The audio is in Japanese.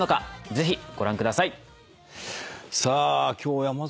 ぜひご覧ください。